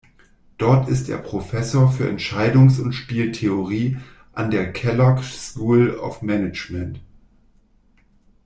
Dort ist er Professor für Entscheidungs- und Spieltheorie an der "Kellogg School of Management".